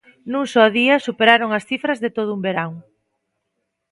Nun só día superaron as cifras de todo un verán.